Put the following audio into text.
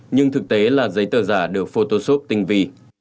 nhưng thực tế là giấy tờ giả được photosov tinh vi